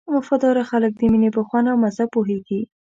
وفاداره خلک د مینې په خوند او مزه پوهېږي.